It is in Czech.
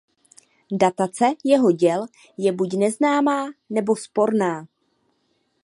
Datace jeho děl je buď neznámá nebo sporná.